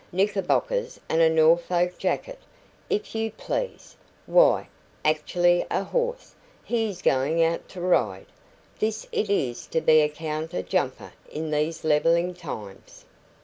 Knickerbockers and a Norfolk jacket, if you please! Why, actually a horse! He is going out to ride. This it is to be a counter jumper in these levelling times!"